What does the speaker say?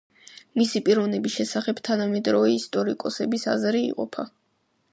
მისი პიროვნების შესახებ თანამედროვე ისტორიკოსების აზრი იყოფა.